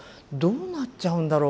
どうなっちゃうんだろう